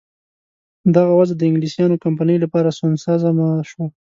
دغه وضع د انګلیسیانو کمپنۍ لپاره سونسزمه شوه.